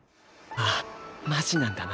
ああマジなんだな。